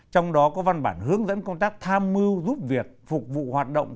trong đó có văn bản hướng dẫn công tác tham mưu giúp việc phục vụ hoạt động